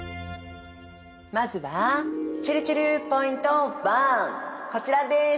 まずはちぇるちぇるポイント１こちらです。